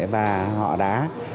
và họ đã